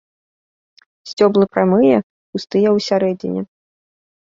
Сцёблы прамыя, пустыя ў сярэдзіне.